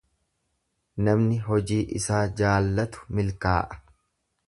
Namni hojii isaa jaallatu milkaa’a.